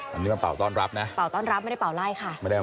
ตอนนี้เป่าต้อนรับนะ